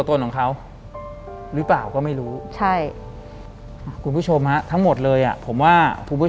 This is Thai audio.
หลังจากนั้นเราไม่ได้คุยกันนะคะเดินเข้าบ้านอืม